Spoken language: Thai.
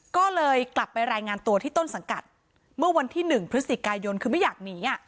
ก็เลยกลับไปรายงานตัวที่ต้นสังกัดเมื่อวันที่๑พฤศจิกายนคือไม่อยากหนี